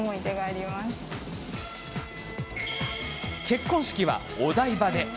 結婚式はお台場で！